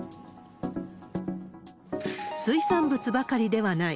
水産物ばかりではない。